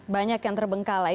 banyak yang terbengkalai